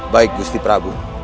baik gusti prabu